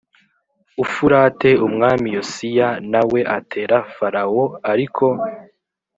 Ufurate Umwami Yosiya na we atera Farawo ariko